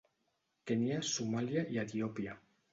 Kenya, Somàlia i Etiòpia.